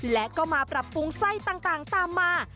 และก็มาปรับปรุงไส้ต่างตามมา